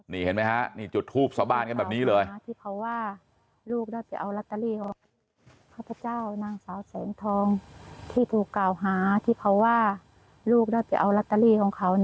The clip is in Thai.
นี่เห็นมั้ยฮะจุดทูปสบานกันแบบนี้เลย